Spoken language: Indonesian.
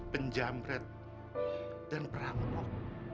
penjamret dan perangok